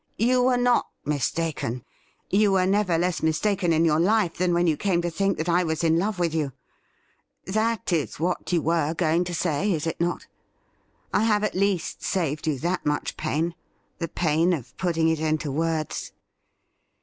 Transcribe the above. You were not mistaken — ^you were never less mistaken in your life than when you came to think that I was in love with you ! That is what you were going to say, is it not .'' I have at least saved you that much pain — the pain of putting it into words.'